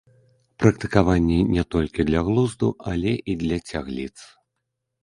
Практыкаванні не толькі для глузду, але і для цягліц!